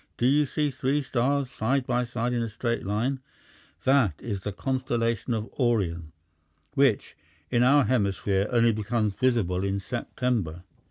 Do you see three stars side by side in a straight line? That is the constellation of Orion, which, in our hemisphere, only becomes visible in September."